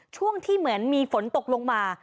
ช่วงที่มีฝนตกลงมา